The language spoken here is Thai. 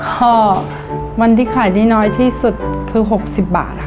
ก็วันที่ขายได้น้อยที่สุดคือ๖๐บาทค่ะ